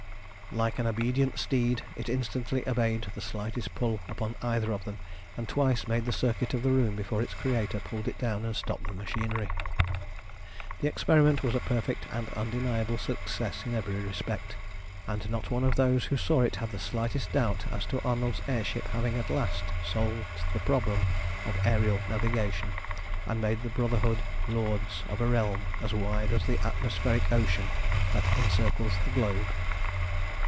Like an obedient steed, it instantly obeyed the slightest pull upon either of them, and twice made the circuit of the room before its creator pulled it down and stopped the machinery. The experiment was a perfect and undeniable success in every respect, and not one of those who saw it had the slightest doubt as to Arnold's air ship having at last solved the problem of aërial navigation, and made the Brotherhood lords of a realm as wide as the atmospheric ocean that encircles the globe.